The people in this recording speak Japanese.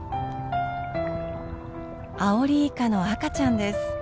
アオリイカの赤ちゃんです。